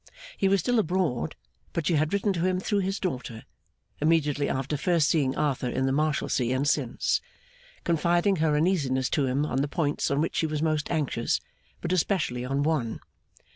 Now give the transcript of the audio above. He was still abroad; but she had written to him through his daughter, immediately after first seeing Arthur in the Marshalsea and since, confiding her uneasiness to him on the points on which she was most anxious, but especially on one.